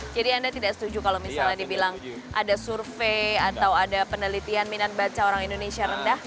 jadi anda tidak setuju kalau misalnya dibilang ada survei atau ada penelitian minat baca orang indonesia rendah